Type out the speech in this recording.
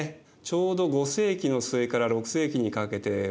ちょうど５世紀の末から６世紀にかけてはですね